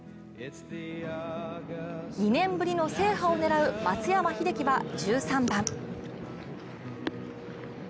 ２年ぶりの制覇を狙う松山英樹は１３番。